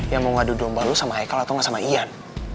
yang mau ngadu domba lu sama hicle atau nggak sama ian